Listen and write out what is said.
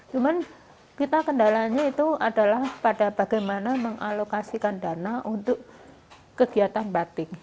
cuman kita kendalanya itu adalah pada bagaimana mengalokasikan dana untuk kegiatan batik